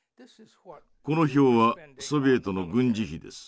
「この表はソビエトの軍事費です。